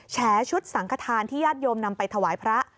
แฉชุดสังขทานที่ญาติโยมนำไปถวายพระ